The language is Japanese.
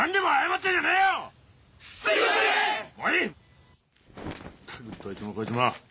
ったくどいつもこいつも。